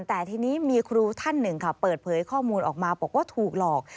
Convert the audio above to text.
แต่ทีนี้มีครูท่านหนึ่งค่ะเปิดเผยข้อมูลออกมาบอกว่าถูกหลอก